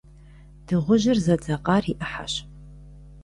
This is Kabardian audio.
Дыгъужьыр зэдзакъэр и Ӏыхьэщ.